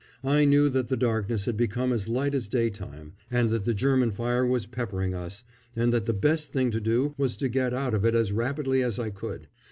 I knew that the darkness had become as light as daytime and that the German fire was peppering us, and that the best thing to do was to get out of it as rapidly as I could.